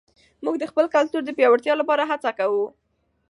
موږ د خپل کلتور د پیاوړتیا لپاره هڅه کوو.